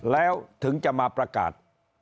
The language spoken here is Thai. แล้วถึงจะมาประกาศ